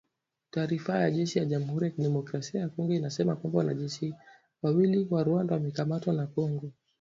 Taarifa ya jeshi la Jamhuri ya Kidemokrasia ya kongo imesema kwamba, wanajeshi wawili wa Rwanda wamekamatwa na kongo